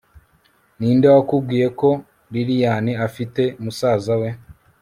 ninde wakubwiye ko lilian afite musaza we!